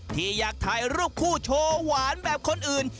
ที่อยากถ่ายรูปคู่โชว์หวานแบบคนอื่น